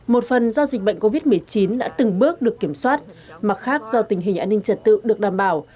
một phần do dịch bệnh covid một mươi chín đã từng bước được kiểm soát mặt khác do tình hình an ninh trật tự được đảm bảo